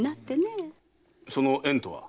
その縁とは？